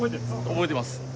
覚えてます